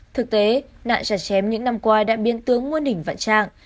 thực tế nạn chặt chém những năm qua đã biên tướng nguồn hình vận trạng